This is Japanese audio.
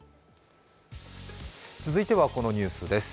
続いてはこのニュースです。